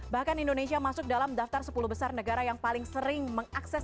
bahkan indonesia masuk dalam daftar sepuluh besar negara yang paling sering mengakses